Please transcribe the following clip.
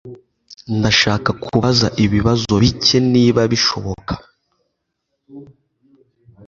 Ndashaka kubaza ibibazo bike niba bishoboka.